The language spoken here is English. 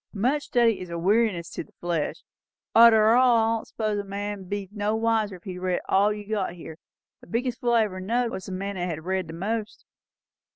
"'Much study is a weariness to the flesh.' Arter all, I don't suppose a man'd be no wiser if he'd read all you've got here. The biggest fool I ever knowed, was the man that had read the most."